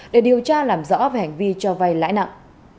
để điều tra làm rõ về hành vi cho vay lãi nặng